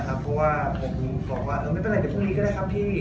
เพราะว่าผมบอกว่าไม่เป็นไรเดี๋ยวพรุ่งนี้ก็ได้ครับพี่